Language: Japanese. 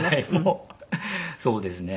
そうですね。